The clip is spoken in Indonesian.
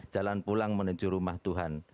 jalan pulang menuju rumah tuhan